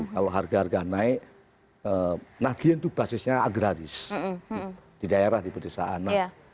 kalau harga harga naik nagien itu basisnya agraris di daerah di pedesaan